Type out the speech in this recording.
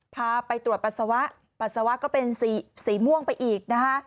พาไปตรวจปัสสาวะปัสสาวะก็เป็นสีม่วงไปอีกนะคะ